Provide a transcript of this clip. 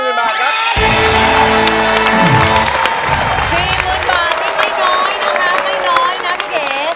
๔หมื่นบาทมันน้อยนะคะไอ้เก๋